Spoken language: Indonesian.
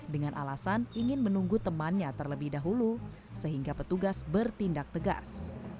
dengan alasan ingin menunggu temannya terlebih dahulu sehingga petugas bertindak tegas